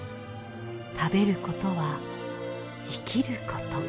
食べることは生きること。